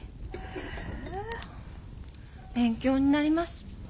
へえ勉強になります。